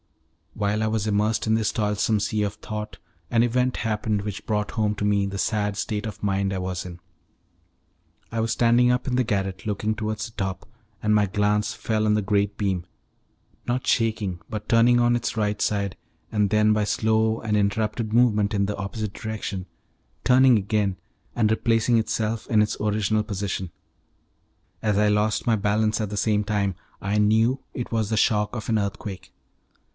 While I was immersed in this toilsome sea of thought, an event happened which brought home to me the sad state of mind I was in. I was standing up in the garret looking towards the top, and my glance fell on the great beam, not shaking but turning on its right side, and then, by slow and interrupted movement in the opposite direction, turning again and replacing itself in its original position. As I lost my balance at the same time, I knew it was the shock of an earthquake.